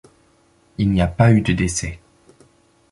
Il n'y a pas eu de décès.